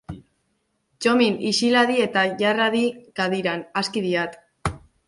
Txomin! Ixil hadi eta jar hadi kadiran, aski diat!